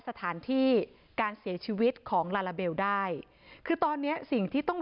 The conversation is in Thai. สถานที่การเสียชีวิตของลาลาเบลได้คือตอนเนี้ยสิ่งที่ต้อง